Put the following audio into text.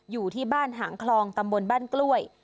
อยู่ที่บ้านหางคลองตำบลบ้านกล้วย